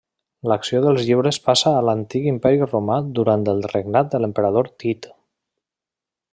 L'acció dels llibres passa a l'antic Imperi Romà durant el regnat de l'emperador Tit.